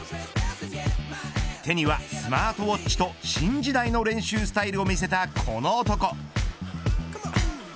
手にはスマートウォッチと新時代の練習スタイルを見せたこの男。